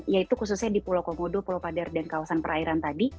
yaitu khususnya di pulau komodo pulau padar dan kawasan perairan tadi